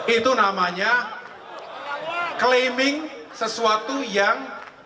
itu namanya claiming sesuatu yang